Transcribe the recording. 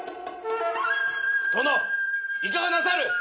殿いかがなさる！